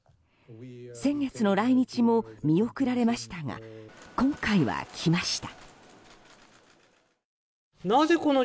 先月の来日も見送られましたが今回は来ました。